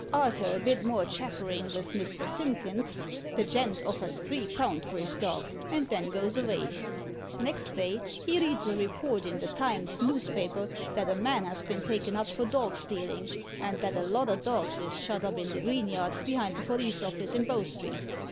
Arter a bit more chafferin' vith Mr. Simpkins, the gent offers three pound for his dog, and then goes avay. Next day he reads a report i' the Times noospaper that a man has been taken up for dog stealin', and that a lot o' dogs is shut up in the green yard behind the police office in Bow Street.